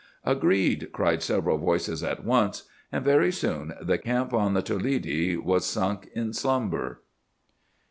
"Agreed!" cried several voices at once; and very soon the camp on the Toledi was sunk in slumber.